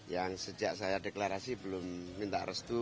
yang sejak saya deklarasi belum minta restu